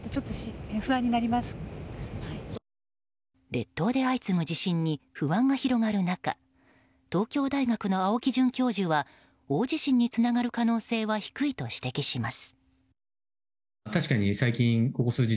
列島で相次ぐ地震に不安が広がる中東京大学の青木准教授は大地震につながる可能性は低いと指摘します。